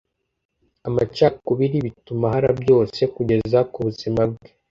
amacakubiri bituma ahara byose kugeza ku buzima bwe.